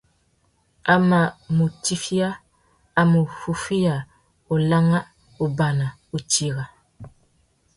A mà mù tufia, a mù fúffüiya ulangha, ubana, utira.